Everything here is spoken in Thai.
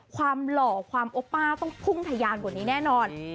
หล่อความโอป้าต้องพุ่งทะยานกว่านี้แน่นอน